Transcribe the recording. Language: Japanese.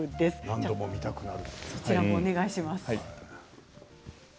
何度も見たくなる。